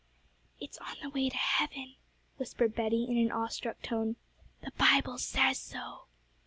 'It's on the way to heaven,' whispered Betty, in an awestruck tone; 'the Bible says so.'